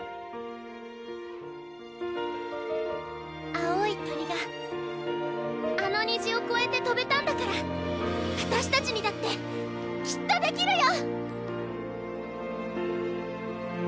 青い鳥があの虹を越えて飛べたんだから私たちにだってきっとできるよ！